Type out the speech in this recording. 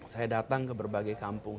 saya datang ke berbagai kampung